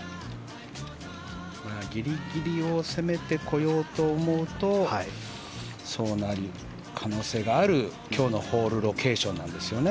ギリギリを攻めてこようと思うとそうなる可能性がある今日のホールロケーションですね。